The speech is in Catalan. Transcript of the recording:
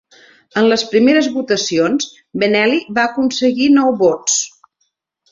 En les primeres votacions, Benelli va aconseguir nou vots.